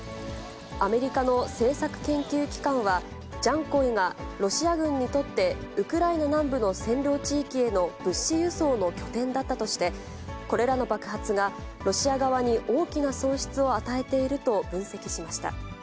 アメリカの政策研究機関は、ジャンコイがロシア軍にとって、ウクライナ南部の占領地域への物資輸送の拠点だったとして、これらの爆発がロシア側に大きな損失を与えていると分析しました。